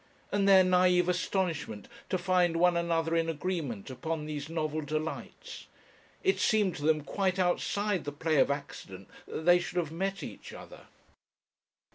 And their naïve astonishment to find one another in agreement upon these novel delights! It seemed to them quite outside the play of accident that they should have met each other.